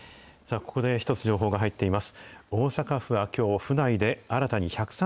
ここで一つ情報が入っています。